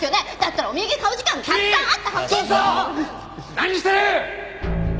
何してる！